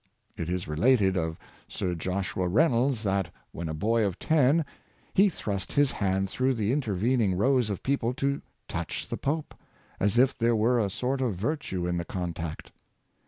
It is related of Sir Joshua Reynolds, that, when a boy of ten, he thrust his hand through interven ing rows of people to touch Pope, as if there were a sort of virtue in the contact.